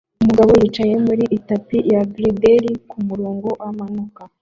Umugabo yicaye muri itapi ya glider kumurongo wamanuka